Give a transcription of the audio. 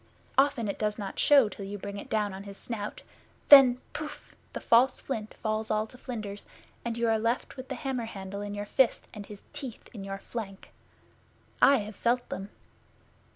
Often it does not show till you bring it down on his snout. Then Pouf! the false flint falls all to flinders, and you are left with the hammer handle in your fist, and his teeth in your flank! I have felt them.